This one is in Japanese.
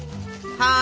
はい。